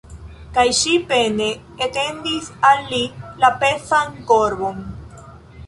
Kaj ŝi pene etendis al li la pezan korbon.